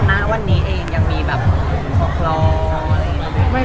หน้าวันนี้เองยังมีปลอดภัณฑ์